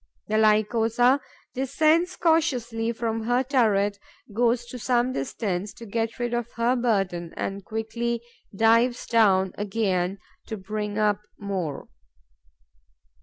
The Lycosa descends cautiously from her turret, goes to some distance to get rid of her burden and quickly dives down again to bring up more.